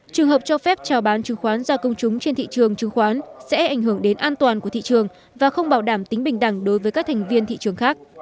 trường hợp cho phép trào bán chứng khoán ra công chúng trên thị trường chứng khoán sẽ ảnh hưởng đến an toàn của thị trường và không bảo đảm tính bình đẳng đối với các thành viên thị trường khác